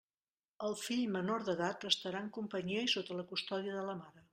El fill menor d'edat restarà en companyia i sota la custòdia de la mare.